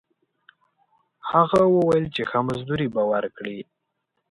هغه وویل چې ښه مزدوري به ورکړي.